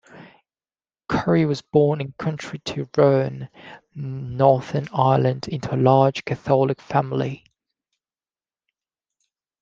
Currie was born in County Tyrone, Northern Ireland into a large Catholic family.